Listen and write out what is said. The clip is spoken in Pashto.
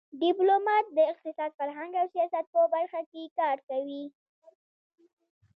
ډيپلومات د اقتصاد، فرهنګ او سیاست په برخه کې کار کوي.